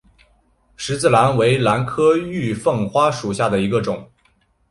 十字兰为兰科玉凤花属下的一个种。